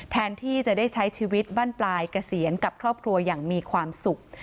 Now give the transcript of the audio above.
แทนที่จะได้ใช้ชีวิตบ้านปลายเกษียณกับครอบครัวอย่างมีความสุข